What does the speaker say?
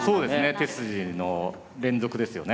手筋の連続ですよね。